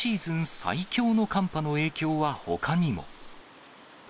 最強の寒波の影響はほかにも。